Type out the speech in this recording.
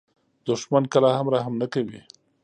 دښمن کله هم رحم نه کوي